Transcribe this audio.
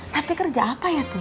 tapi kerja apa ya tuh